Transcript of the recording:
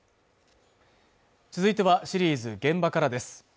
続いてはシリーズ「現場から」です